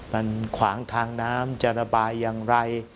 มันขวางทางน้ำจะระบายอย่างไร